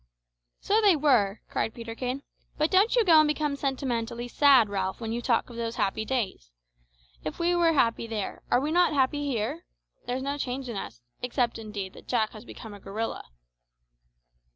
"So they were," cried Peterkin; "but don't you go and become sentimentally sad, Ralph, when you talk of those happy days. If we were happy there, are we not happy here? There's no change in us except, indeed, that Jack has become a gorilla."